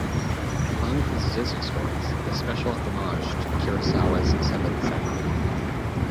Among his Disney stories, the special homage to Kurosawa's Seven Samurai.